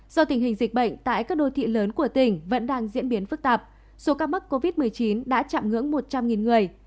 do tình hình dịch bệnh tại các đô thị lớn của tỉnh vẫn đang diễn biến phức tạp số ca mắc covid một mươi chín đã chạm ngưỡng một trăm linh người